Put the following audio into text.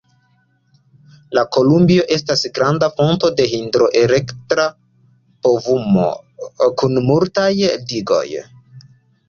La Kolumbio estas granda fonto de hidroelektra povumo, kun multaj digoj.